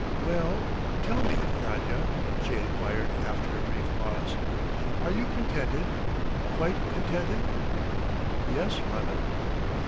"Well, tell me, Nadya," she enquired after a brief pause, "are you contented? Quite contented?" "Yes, mother."